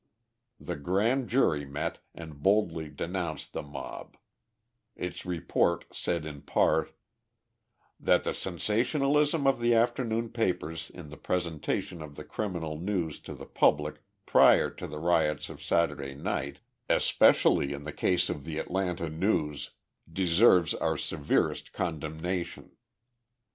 The grand jury met and boldly denounced the mob; its report said in part: "That the sensationalism of the afternoon papers in the presentation of the criminal news to the public prior to the riots of Saturday night, especially in the case of the Atlanta News, deserves our severest condemnation."